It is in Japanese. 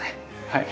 はい。